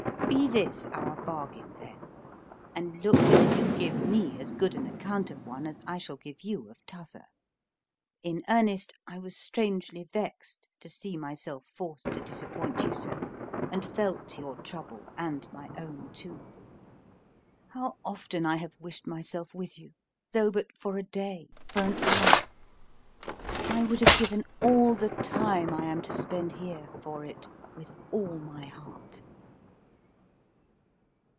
Be this our bargain then; and look that you give me as good an account of one as I shall give you of t'other. In earnest, I was strangely vexed to see myself forced to disappoint you so, and felt your trouble and my own too. How often I have wished myself with you, though but for a day, for an hour: I would have given all the time I am to spend here for it with all my heart.